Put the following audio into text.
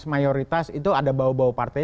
mayoritas itu ada bawa bawa partai